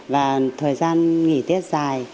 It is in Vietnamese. và thời gian nghỉ tết dài